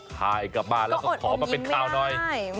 ถ่ายกลับมาแล้วก็ขอมาเป็นข่าวหน่อย